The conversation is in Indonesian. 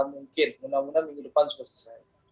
mungkin mudah mudahan minggu depan sudah selesai